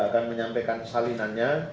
akan menyampaikan salinannya